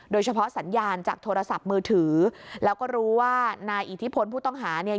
สัญญาณจากโทรศัพท์มือถือแล้วก็รู้ว่านายอิทธิพลผู้ต้องหาเนี่ย